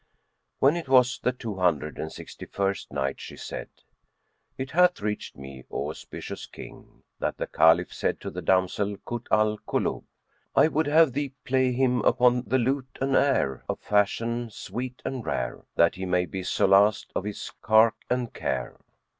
When it was the Two Hundred and Sixty first Night, She said, It hath reached me, O auspicious King, that the Caliph said to the damsel Kut al Kulub, "I would have thee play him upon the lute an air, of fashion sweet and rare, that he may be solaced of his cark and care."